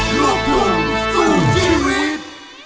ลูกคุมสู้ชีวิต